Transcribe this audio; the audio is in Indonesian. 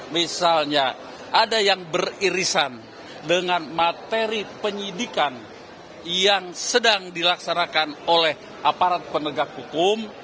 misalnya ada yang beririsan dengan materi penyidikan yang sedang dilaksanakan oleh aparat penegak hukum